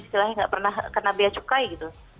tidak pernah kena bea cukai gitu